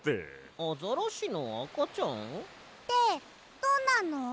アザラシのあかちゃん？ってどんなの？